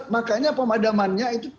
makanya pemadamannya itu